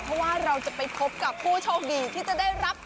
เพราะว่าเราจะไปพบกับผู้โชคดีที่จะได้รับ